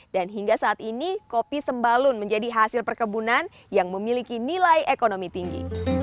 dan hingga saat ini kopi sembalun menjadi hasil perkebunan yang memiliki nilai ekonomi tinggi